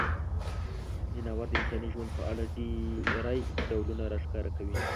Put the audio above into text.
ځناور د انساني ژوند په اړه ډیری ډولونه راښکاره کوي.